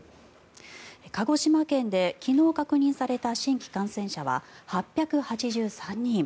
鹿児島県で昨日確認された新規感染者は８８３人。